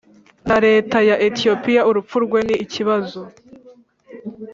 na leta ya ethiopia urupfu rwe ni ikibazo